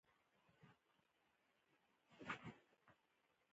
البته د موادو په ډیکورېشن کې بدلونونه راغلي ول.